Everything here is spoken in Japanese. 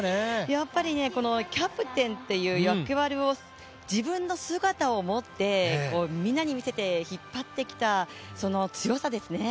やっぱり、キャプテンっていう役割を、自分の姿を持ってみんなに見せて引っ張ってきた強さですね。